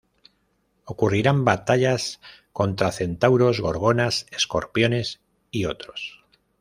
Ocurrirán batallas contra centauros, gorgonas, escorpiones y otros.